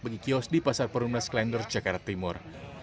bagi kios di pasar perumnas klender jakarta timur